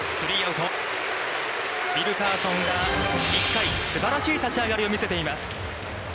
ウィルカーソンが１回、すばらしい立ち上がりを見せています。